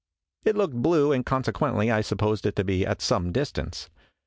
It looked blue, and consequently I supposed it to be at some distance.